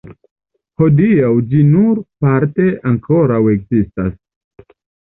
Hodiaŭ ĝi nur parte ankoraŭ ekzistas.